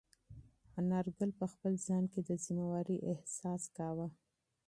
انارګل په خپل ځان کې د مسؤلیت احساس کاوه.